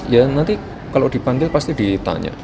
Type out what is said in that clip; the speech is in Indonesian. ya nanti kalau dipanggil pasti ditanya